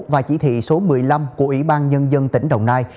và chỉ thị số một mươi năm của ủy ban nhân dân tỉnh đồng nai